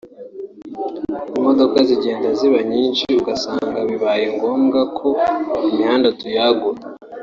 imodoka zigenda ziba nyinshi ugasanga bibaye ngombwa ko imihanda tuyagura